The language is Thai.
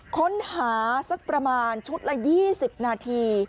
ค้นหาสักประมาณชุดละ๒๐นาที